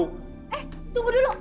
eh tunggu dulu